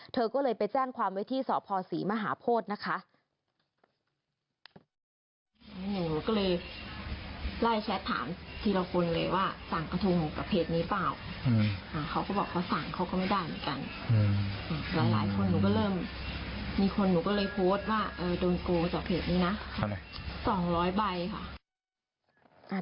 เธอก็เลยไปแจ้งความไว้ที่สพศรีมหาโพธินะคะ